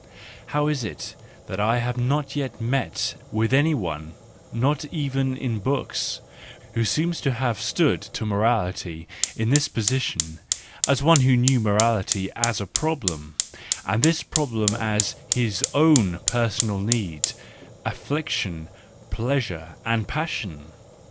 —How is it that I have not yet met with any one, not even in books, who seems to have stood to morality in this position, as one who knew morality as a problem, and this problem as his own personal need, afflic¬ tion, pleasure and passion?